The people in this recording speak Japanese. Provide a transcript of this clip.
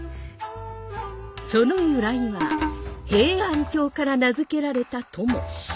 その由来は平安京から名付けられたとも。